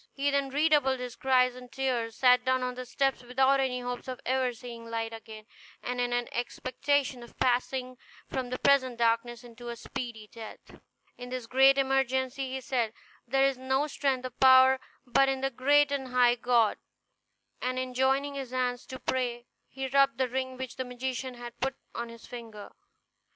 He then redoubled his cries and tears, sat down on the steps without any hopes of ever seeing light again, and in an expectation of passing from the present darkness to a speedy death. In this great emergency he said, "There is no strength or power but in the great and high God"; and in joining his hands to pray he rubbed the ring which the magician had put on his finger.